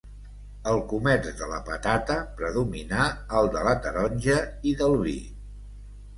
El comerç de la patata predominà al de la taronja i del vi.